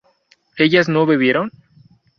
¿ellas no bebieron?